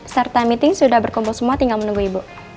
start time meeting sudah berkumpul semua tinggal menunggu ibu